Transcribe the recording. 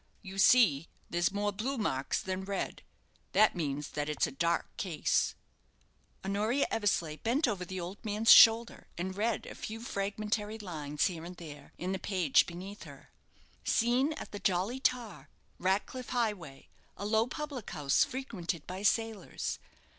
You see, there's more blue marks than red. That means that it's a dark case." Honoria Eversleigh bent over the old man's shoulder, and read a few fragmentary lines, here and there, in the page beneath her. "_Seen at the 'Jolly Tar', Ratcliff Highway, a low public house frequented by sailors.